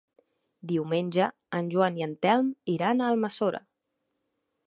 Diumenge en Joan i en Telm iran a Almassora.